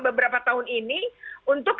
beberapa tahun ini untuk